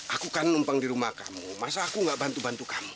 aku kan numpang di rumah kamu masa aku nggak bantu bantu kamu